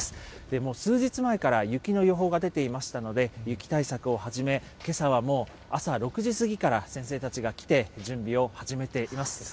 もう数日前から雪の予報が出ていましたので、雪対策を始め、けさはもう、朝６時過ぎから先生たちが来て、準備を始めています。